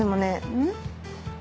うん？